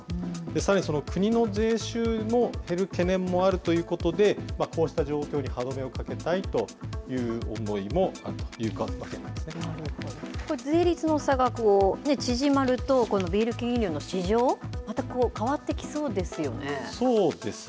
さらに、その国の税収も減る懸念もあるということで、こうした状況に歯止めをかけたいという思いもあるというわけなんこれ、税率の差が縮まるとビール系飲料の市場、そうですね。